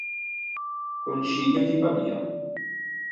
Concilio di Pavia